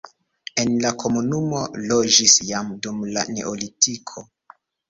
En la komunumo loĝis jam dum la neolitiko.